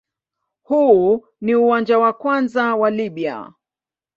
Huu ni uwanja wa kwanza wa Libya.